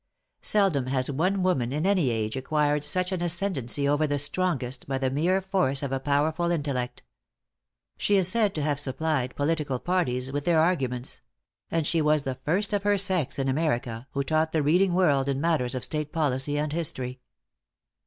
Seldom has one woman in any age, acquired such an ascendency over the strongest, by the mere force of a powerful intellect. She is said to have supplied political parties with their arguments; and she was the first of her sex in America who taught the reading world in matters of state policy and history.